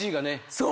そう！